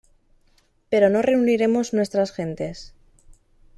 pero no reuniremos nuestras gentes.